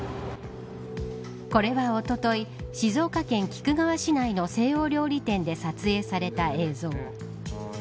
これは、おととい静岡県菊川市内の西欧料理店で撮影された映像。